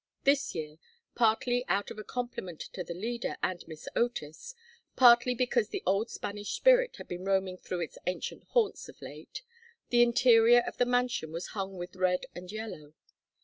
This year, partly out of compliment to the Leader and Miss Otis, partly because the old Spanish spirit had been roaming through its ancient haunts of late, the interior of the mansion was hung with red and yellow.